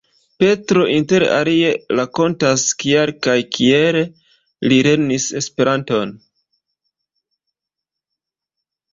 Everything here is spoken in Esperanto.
Petro inter alie rakontas kial kaj kiel li lernis Esperanton.